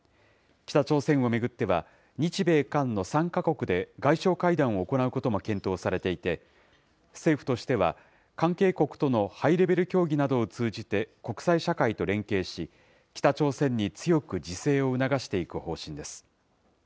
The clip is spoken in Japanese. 北朝鮮を巡っては、日米韓の３か国で外相会談を行うことも検討されていて、政府としては、関係国とのハイレベル協議などを通じて国際社会と連携し、北朝鮮に強く自制を促していく方針です。